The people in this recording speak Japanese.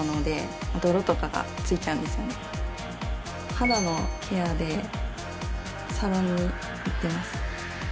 肌のケアでサロンに行ってます。